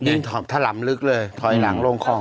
ยืนถอบทะลำลึกเลยถอยหลังโล่งคลอง